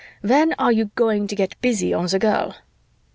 When are you going to get busy on the girl?"